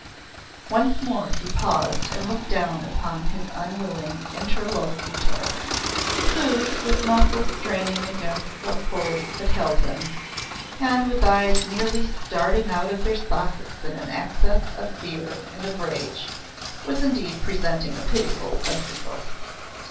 Once more he paused and looked down upon his unwilling interlocutor, who, with muscles straining against the cords that held him, and with eyes nearly starting out of their sockets in an access of fear and of rage, was indeed presenting a pitiful spectacle.